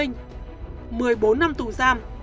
một mươi bốn năm tù giam